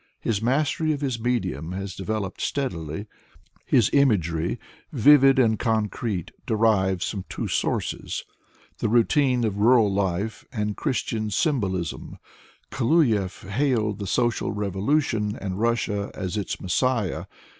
His mastery of his medium has developed steadily. His imagery, vivid and concrete, derives from two sources: the routine of rural life and Christian symbolism. Kluyev hailed the social revolution, and Russia as its messiah.